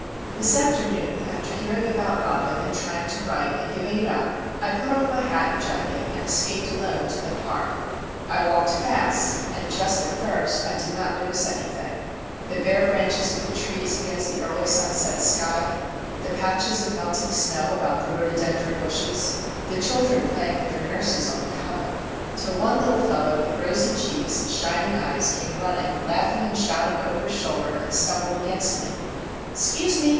This afternoon, after hearing about Robin and trying to write, and giving it up, I put on my hat and jacket and escaped alone to the Park. I walked fast, and just at first I did not notice anything,—the bare branches of the trees against the early sunset sky, the patches of melting snow about the rhododendron bushes, the children playing with their nurses on the common,—till one little fellow with rosy cheeks and shining eyes came running, laughing and shouting over his shoulder, and stumbled against me. "'S'cuse me!"